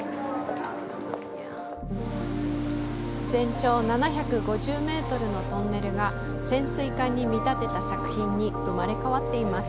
全長７５０メートルのトンネルが潜水艦に見立てた作品に生まれ変わっています。